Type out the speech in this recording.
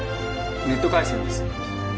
ネット回線です。